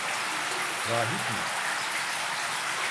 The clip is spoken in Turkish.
Rahip mi?